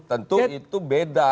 tentu itu beda